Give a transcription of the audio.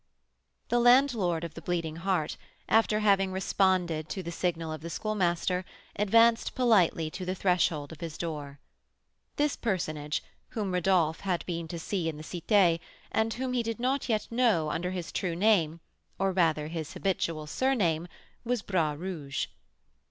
The landlord of the Bleeding Heart, after having responded to the signal of the Schoolmaster, advanced politely to the threshold of his door. This personage, whom Rodolph had been to see in the Cité, and whom he did not yet know under his true name, or, rather, his habitual surname, was Bras Rouge.